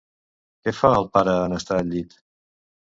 Què fa el pare en estar al llit?